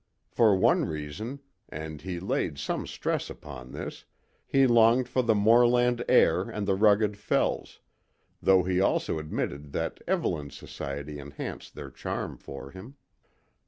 For one reason and he laid some stress upon this he longed for the moorland air and the rugged fells, though he also admitted that Evelyn's society enhanced their charm for him.